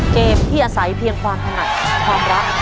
เกมที่อาศัยเพียงความถนัดความรัก